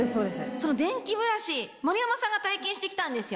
その電気ブラシ丸山さんが体験して来たんですよね？